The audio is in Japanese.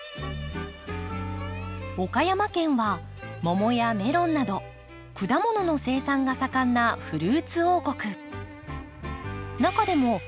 岡山県は桃やメロンなど果物の生産が盛んなフルーツ王国。